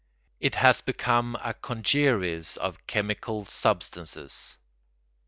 It has become a congeries of chemical substances.